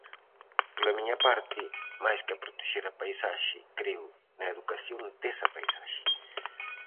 Pola miña parte máis que protexer a paisaxe creo na educación desa paisaxe.